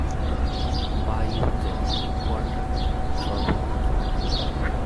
বায়উতে, কোয়ার্টারে, সর্বত্র।